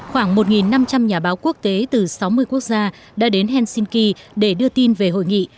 khoảng một năm trăm linh nhà báo quốc tế từ sáu mươi quốc gia đã đến helsinki để đưa tin về hội nghị